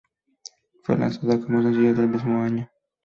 Fue lanzada como sencillo en el mismo año.